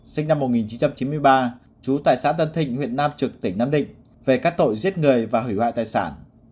sinh năm một nghìn chín trăm chín mươi ba trú tại xã tân thịnh huyện nam trực tỉnh nam định về các tội giết người và hủy hoại tài sản